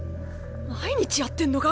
毎日やってんのか？